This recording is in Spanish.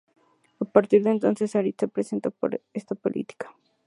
A partir de entonces, Sarit se interesó por la política.